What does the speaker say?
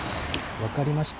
分かりました。